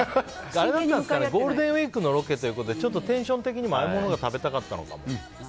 ゴールデンウィークのロケということでテンション的にも甘いものが食べたかったのかも。